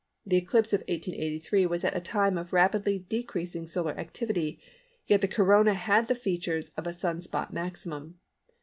The eclipse of 1883 was at a time of rapidly decreasing solar activity, yet the Corona had the features of a Sun spot maximum.